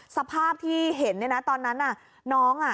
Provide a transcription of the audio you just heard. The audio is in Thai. สภาพที่เห็นเนี่ยนะตอนนั้นน้อง